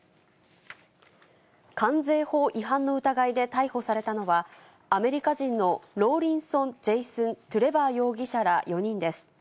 関税法違反の疑いで逮捕されたのは、アメリカ人のローリンソン・ジェイスン・トゥレヴァー容疑者ら４人です。